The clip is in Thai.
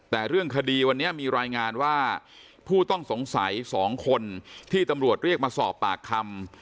แต่เรื่องคดีวันนี้มีรายงานว่าผู้ต้องสงสัย๒คนที่ตำรวจเรียกมาสอบปากคำ